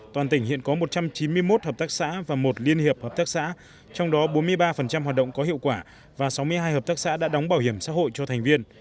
toàn tỉnh hiện có một trăm chín mươi một hợp tác xã và một liên hiệp hợp tác xã trong đó bốn mươi ba hoạt động có hiệu quả và sáu mươi hai hợp tác xã đã đóng bảo hiểm xã hội cho thành viên